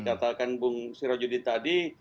katakan bung sirojudi tadi